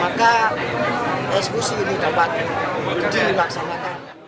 maka diskusi ini dapat dilaksanakan